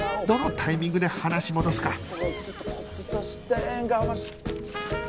どのタイミングで話戻すか